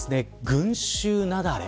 群衆雪崩。